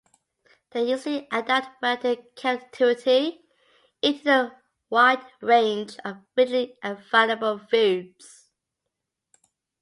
They usually adapt well to captivity, eating a wide range of readily available foods.